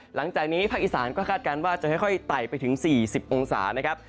หลังจากนี้ภาคอีสานก็คาดการณ์ว่าจะค่อยไต่ไปถึง๔๐องศานะครับ